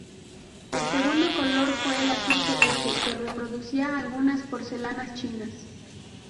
El segundo color fue el azul celeste que reproducía algunas porcelanas chinas.